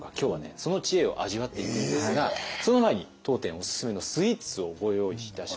その知恵を味わっていくんですがその前に当店おすすめのスイーツをご用意いたしました。